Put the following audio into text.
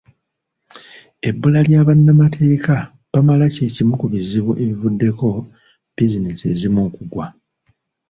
Ebbula lya bannamateeka bamala kye kimu ku bizibu ebivuddeko bbiizineesi ezimu okugwa